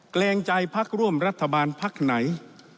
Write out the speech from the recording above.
แกลงใจภักดิ์ร่วมรัฐบาลภักดิ์ไหน